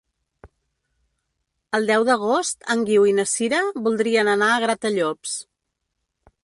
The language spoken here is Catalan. El deu d'agost en Guiu i na Sira voldrien anar a Gratallops.